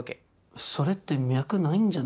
それって脈ないんじゃないですか？